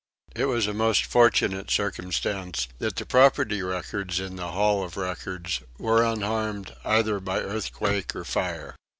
It was a most fortunate circumstance that the property records in the Hall of Records were unharmed either by earthquake or fire.